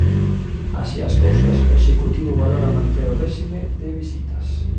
Así as cousas, o executivo valora manter o réxime de visitas.